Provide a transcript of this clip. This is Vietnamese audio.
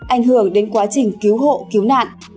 ảnh hưởng đến quá trình cứu hộ cứu nạn